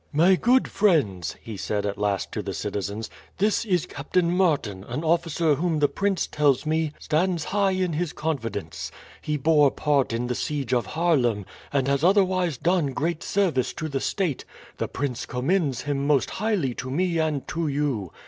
"My good friends," he said at last to the citizens, "this is Captain Martin, an officer whom the prince tells me stands high in his confidence. He bore part in the siege of Haarlem, and has otherwise done great service to the state; the prince commends him most highly to me and to you.